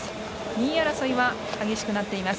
２位争いは激しくなっています。